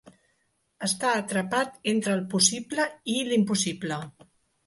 Està atrapat entre el possible i l'impossible.